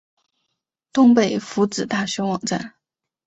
东北福祉大学网站